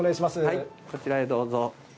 こちらへどうぞ。